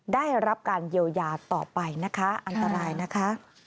ได้รับการเยียวยาต่อไปนะคะอันตรายนะคะ